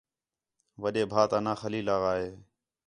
وݙے بھا تا ناں خلیل آغا ہے